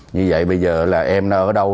như vậy bây giờ là em nó ở đâu